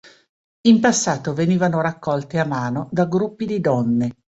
In passato venivano raccolte a mano da gruppi di donne.